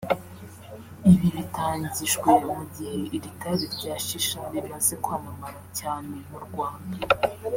Ibi bitangajwe mu gihe iri tabi rya Shisha rimaze kwamamara cyane mu Rwanda